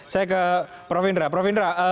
saya ke prof hendra prof indra